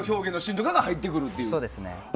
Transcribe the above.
そうですね。